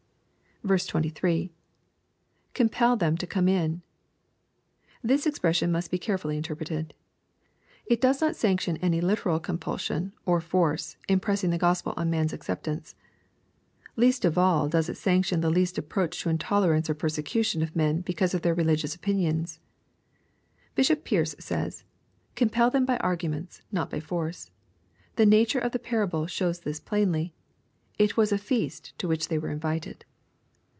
23. —[ Compel them to come in.] Thi b expression must be carefully interpreted. It does not sanction any hteral compulsion, or force, in pressing the Gospel on men*s acceptance. Least of all does it sanction the least approach to intolerance or persecution of men because of their religious opinions. Bishop Pearce says, " Compel them by arguments, not by force. The nature of the parable shows this plainly. It was a feast to which they were invited.'